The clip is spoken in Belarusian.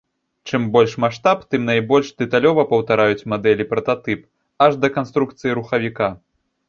Чым больш маштаб, тым найбольш дэталёва паўтараюць мадэлі прататып, аж да канструкцыі рухавіка.